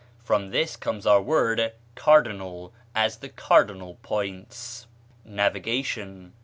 From this comes our word "cardinal," as the cardinal points. Navigation.